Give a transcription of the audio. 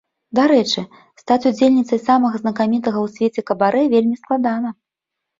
Дарэчы, стаць удзельніцай самага знакамітага ў свеце кабарэ вельмі складана.